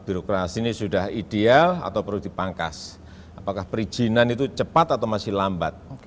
birokrasi ini sudah ideal atau perlu dipangkas apakah perizinan itu cepat atau masih lambat